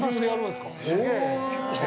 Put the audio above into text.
すげえ。